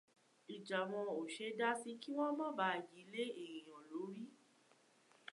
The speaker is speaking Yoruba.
Ìjà wọn ò ṣeé dá sí kí wọn má baà yi lé èèyàn lórí.